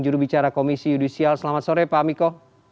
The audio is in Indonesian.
juru bicara komisi judisial selamat sore pak miko